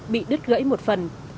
bị đứt gãy một phần